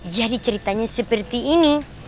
jadi ceritanya seperti ini